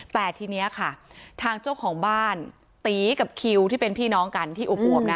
แต่ทีนี้ค่ะทางเจ้าของบ้านตีกับคิวที่เป็นพี่น้องกันที่อุบวมนะ